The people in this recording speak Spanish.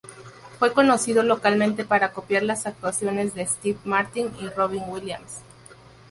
Fue conocido localmente para copiar las actuaciones de Steve Martin y Robin Williams.